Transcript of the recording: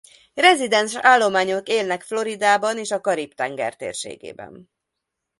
Rezidens állományok élnek Floridában és a Karib-tenger térségében.